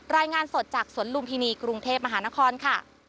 รายงานสดจากสวนลุมพินีกรุงเทพมหานครค่ะ